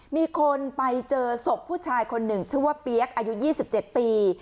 มีคนไปเจอศพผู้ชายคนหนึ่งชื่อว่าเปี๊ยกอายุ๒๗ปี